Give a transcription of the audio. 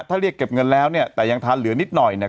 ถ้าเรียกเก็บเงินแล้วเนี่ยแต่ยังทานเหลือนิดหน่อยเนี่ย